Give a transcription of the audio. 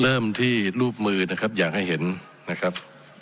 เริ่มที่รูปมือนะครับอยากให้เห็นนะครับ